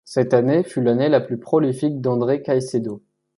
Cette année fut l'année la plus prolifique d'Andrés Caicedo.